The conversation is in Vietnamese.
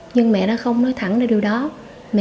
nhưng mà anh xin em